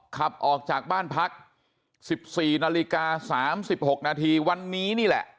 ขับออกจากบ้านพัก๑๔นาฬิกา๓๖นาทีวันนี้นี่แหละ